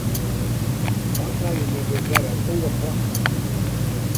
Dan krije je dus wer in soad klachten.